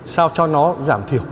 sao cho nó giảm thiểu